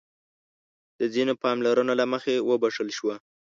د ځينو پاملرنو له مخې وبښل شو.